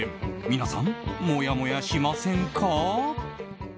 皆さん、もやもやしませんか？